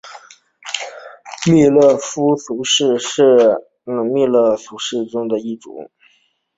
密肋粗饰蚶是魁蛤目魁蛤科粗饰蚶属的一种。